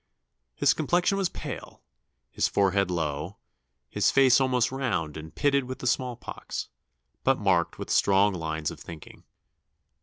His complexion was pale, his forehead low, his face almost round and pitted with the small pox, but marked with strong lines of thinking.